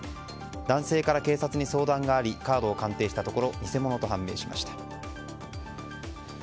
男性から警察に相談がありカードを鑑定したところ偽物と判明しました。